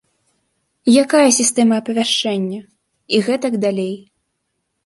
Якая сістэма апавяшчэння, і гэтак далей.